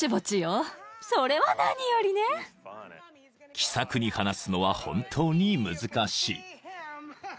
［気さくに話すのは本当に難しい］